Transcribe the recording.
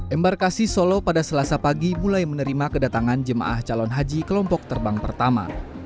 embarkasi solo pada selasa pagi mulai menerima kedatangan jemaah calon haji kelompok terbang pertama